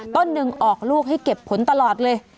ต้นหนึ่งออกลูกให้เก็บผลตลอดเลย